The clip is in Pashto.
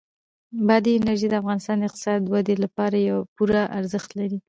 بادي انرژي د افغانستان د اقتصادي ودې لپاره پوره ارزښت لري.